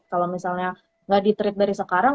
kalau misalnya nggak di treat dari sekarang